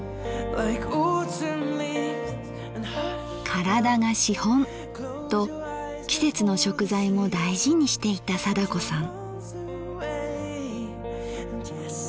「体が資本！」と季節の食材も大事にしていた貞子さん。